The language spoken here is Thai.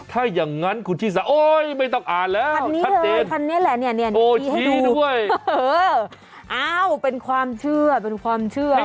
ถ้าอย่างนั้นคุณชิสาโอ๊ยไม่ต้องอ่านแล้วคันนี้คันนี้แหละฮิ้วด้วยอ้าวเป็นความเชื่อเป็นความเชื่อ